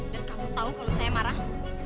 kamu tahu kalau saya marah